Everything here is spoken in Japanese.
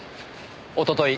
おととい